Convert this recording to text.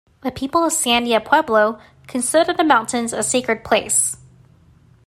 The people of Sandia Pueblo consider the mountains a sacred place.